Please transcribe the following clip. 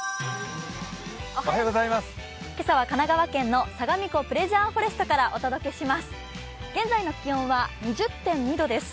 今朝は神奈川県のさがみ湖プレジャーフォレストからお届けします。